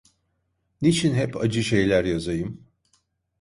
Niçin hep acı şeyler yazayım?